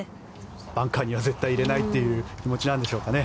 バンカーには絶対に入れないという気持ちなんですかね。